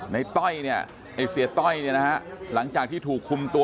ในต้อยไอ้เสียต้อยหลังจากที่ถูกคุมตัว